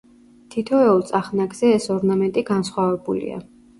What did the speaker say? თითოეულ წახნაგზე ეს ორნამენტი განსხვავებულია.